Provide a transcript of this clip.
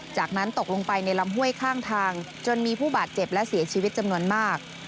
จากนั้นตกลงไปในลำห้วยข้างทางจนมีผู้บาดเจ็บและเสียชีวิตจำนวนมาก